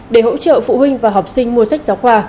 để hỗ trợ phụ huynh và học sinh mua sách giáo khoa